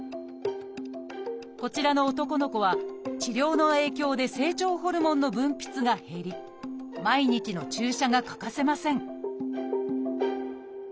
こちらの男の子は治療の影響で成長ホルモンの分泌が減り毎日の注射が欠かせません